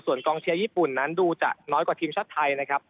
ส่วนกองเชียร์ญี่ปุ่นนั้นดูจะน้อยกว่าทีมชาติไทยนะครับ